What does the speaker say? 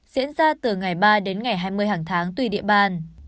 diễn ra từ ngày ba đến ngày hai mươi hàng tháng tùy địa bàn